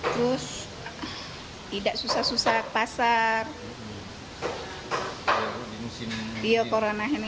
terus tidak susah susah pasar diokoranah ini